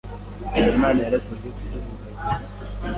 Imana yarakoze kuduhuza rwose”